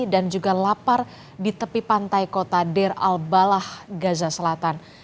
dan juga lapar di tepi pantai kota deir al balah gaza selatan